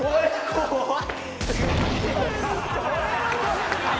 怖い。